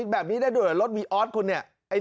แบบนี้ได้ดูลงจากรถวีออสของคุณเนี่ย